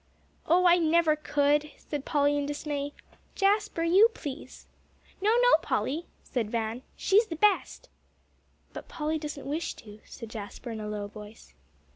"Oh, I never could," said Polly in dismay. "Jasper, you, please." "No, no, Polly," said Van; "she's the best." "But Polly doesn't wish to," said Jasper in a low voice.